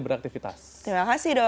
beraktivitas terima kasih dok